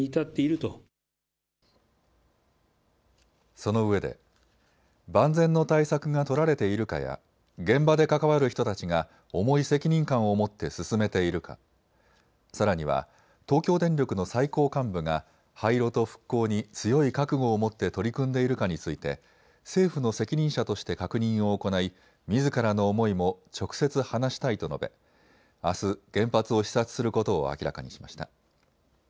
そのうえで万全の対策が取られているかや現場で関わる人たちが重い責任感を持って進めているか、さらには東京電力の最高幹部が廃炉と復興に強い覚悟を持って取り組んでいるかについて政府の責任者として確認を行いみずからの思いも直接話したいと述べあす原発を視察することを明らかにしました。